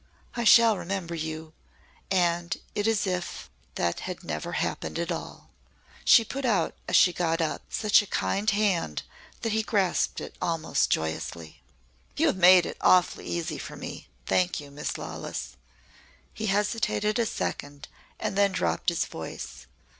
"I shall remember you and it is as if that had never happened at all." She put out, as she got up, such a kind hand that he grasped it almost joyously. "You have made it awfully easy for me. Thank you, Miss Lawless." He hesitated a second and then dropped his voice.